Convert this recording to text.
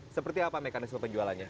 seperti apa mekanisme penjualannya